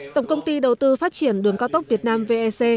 tổng công ty đầu tư phát triển đường cao tốc việt nam vec